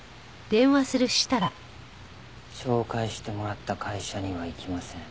紹介してもらった会社には行きません。